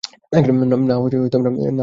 না, আমি একা পারব না।